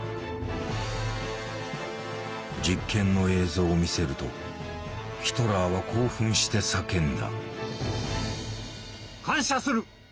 実験の映像を見せるとヒトラーは興奮して叫んだ。